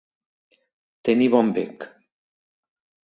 Tenir bon bec.